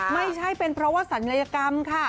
ไม่ใช่เป็นเพราะว่าศัลยกรรมค่ะ